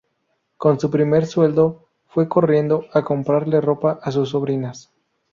Con su primer sueldo fue corriendo a comprarle ropa a sus sobrinas.